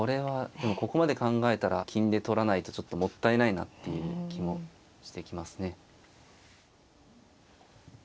でもここまで考えたら金で取らないとちょっともったいないなっていう気もしてきますね。